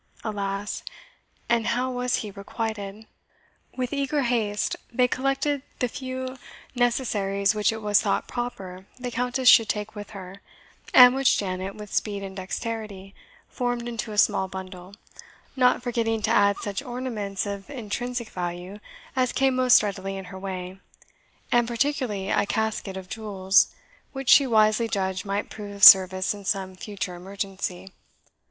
Alas! and how was he requited?" With eager haste they collected the few necessaries which it was thought proper the Countess should take with her, and which Janet, with speed and dexterity, formed into a small bundle, not forgetting to add such ornaments of intrinsic value as came most readily in her way, and particularly a casket of jewels, which she wisely judged might prove of service in some future emergency.